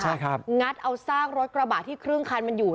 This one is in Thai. ใช่ครับงัดเอาซากรถกระบะที่ครึ่งคันมันอยู่